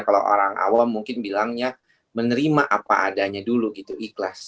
kalau orang awam mungkin bilangnya menerima apa adanya dulu gitu ikhlas